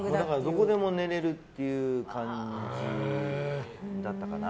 どこでも寝れるっていう感じだったかな。